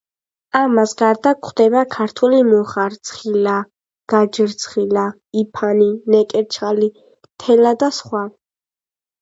ამას გარდა გვხვდება ქართული მუხა, რცხილა, ჯაგრცხილა, იფანი, ნეკერჩხალი, თელა და სხვა.